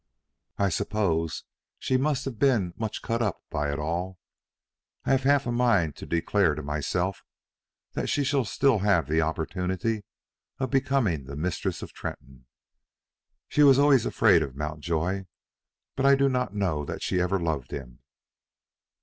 "I suppose she must have been much cut up by it all. I have half a mind to declare to myself that she shall still have an opportunity of becoming the mistress of Tretton. She was always afraid of Mountjoy, but I do not know that she ever loved him.